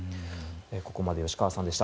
ここまで吉川さんでした。